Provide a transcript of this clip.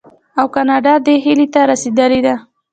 او کاناډا دې هیلې ته رسیدلې ده.